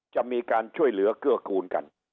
จะมีการช่วยเหลือเกื้อกูลกัน